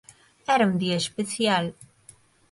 Era un día especial.